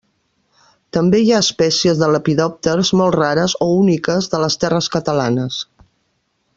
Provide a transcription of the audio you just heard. També hi ha espècies de lepidòpters molt rares o úniques de les terres catalanes.